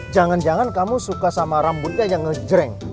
jangan jangan kamu suka sama rambutnya yang ngejreng